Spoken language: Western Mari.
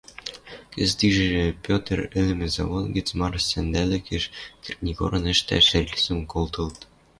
Кӹзӹт ижӹ Петр ӹлӹмӹ завод гӹц мары сӓндӓлӹкӹш кӹртнигорны ӹштӓш рельсӹм колтылыт.